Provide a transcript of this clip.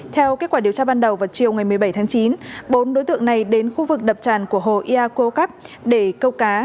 theo kết quả điều tra ban đầu vào chiều một mươi bảy tháng chín bốn đối tượng này đến khu vực đập tràn của hồ echocap để câu cá